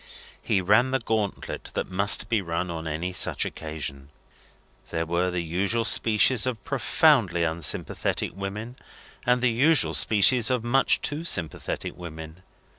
He ran the gauntlet that must be run on any such occasion. There were the usual species of profoundly unsympathetic women, and the usual species of much too sympathetic women.